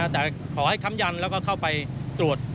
แต่ขอให้ค้ำยันและเข้าไปจูด